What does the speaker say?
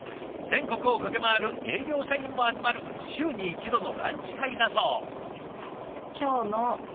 全国を駆け回る営業社員も集まる週に一度のランチ会だそう。